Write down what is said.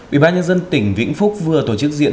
bị ba nhân dân tỉnh vĩnh phúc vừa tổ chức diễn